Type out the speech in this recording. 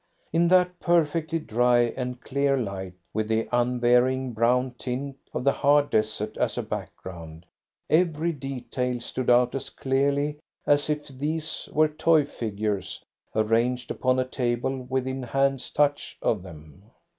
In that perfectly dry and clear light, with the unvarying brown tint of the hard desert as a background, every detail stood out as clearly as if these were toy figures arranged upon a table within hand's touch of them.